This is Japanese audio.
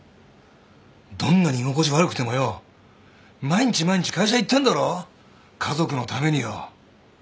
どんなに居心地悪くてもよ毎日毎日会社行ってんだろ家族のためによ。